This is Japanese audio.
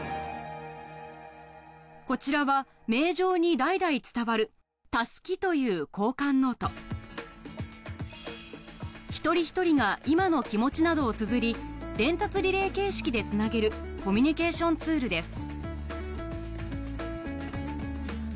こちらは名城に代々伝わる「襷」という交換ノート一人一人が今の気持ちなどをつづり伝達リレー形式でつなげるコミュニケーションツールです